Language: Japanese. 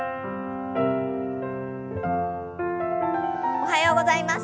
おはようございます。